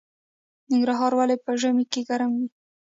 ننګرهار ولې په ژمي کې ګرم وي؟